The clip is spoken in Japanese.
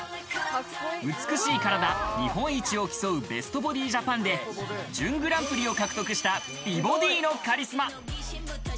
美しい体、日本一を競うベストボディ・ジャパンで準グランプリを獲得した美ボディのカリスマ。